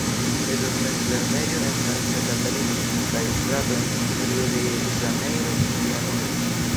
Estas mezlernejo en Sankta Katarino kaj strato en Rio-de-Ĵanejro kun lia nomo.